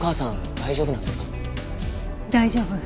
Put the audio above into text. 大丈夫。